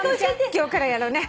今日からやろうね。